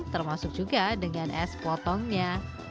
termasuk juga dengan es potongnya